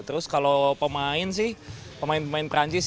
terus kalau pemain sih pemain pemain perancis